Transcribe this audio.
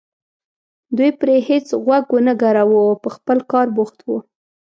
دوی پرې هېڅ غوږ ونه ګراوه په خپل کار بوخت وو.